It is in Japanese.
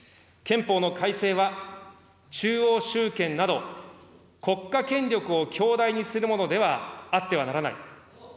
憲法の改正は中央集権など国家権力を強大にするものではあってはならない。